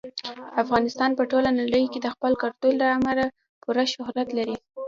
افغانستان په ټوله نړۍ کې د خپل کلتور له امله پوره شهرت لري.